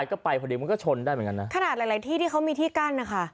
ก็ไปพอดีมันก็ชนได้เหมือนกันนะขนาดหลายหลายที่ที่เขามีที่กั้นนะคะ